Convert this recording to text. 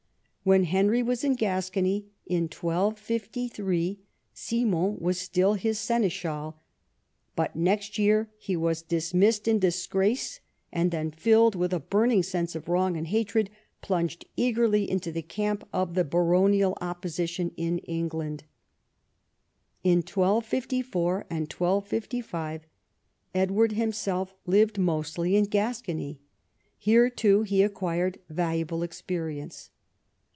When Henry Avas in Gascony in 1253 Simon Avas still his seneschal; but next year he Avas dismissed in disgrace, and, filled Avith a burning sense of Avrong and hatred, plunged eagerly into the camp of the baronial opi)osition in England. In 1254 and 1255 EdAvard himself lived mostly in Gascony. Here too he acquired valuable experience.